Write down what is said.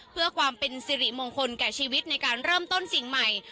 เพื่อความเป็นสิริมงคลแก่ชีวิตในการเริ่มต้นสิ่งใหม่